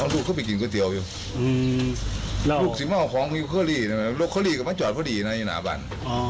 ลูกสิม่าอาวุธมีเคราะห์ลูกเคราะห์ก็ไม่เจาะพอดีนะอยู่หน้าบ้าน